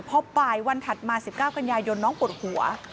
พอบ่ายวันถัดมา๑๙กันยายนน้องปวดหัว